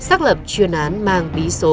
xác lập chuyên án mang bí số ba trăm một mươi hai g